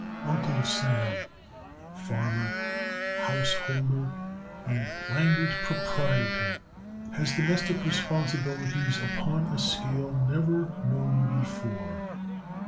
Uncle Sam, farmer, householder, and landed proprietor, has domestic responsibilities upon a scale never known before.